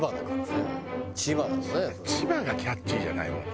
千葉がキャッチーじゃないもん。